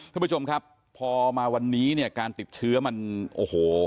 ท่านผู้ชมครับพอมาวันนี้เนี่ยการติดเชื้อมันโอ้โห